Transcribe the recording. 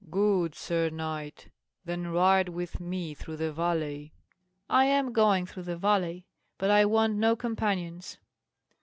"Good, sir knight; then ride with me through the valley." "I am going through the valley, but I want no companions."